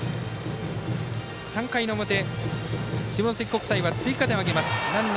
３回の表、下関国際は追加点を挙げます。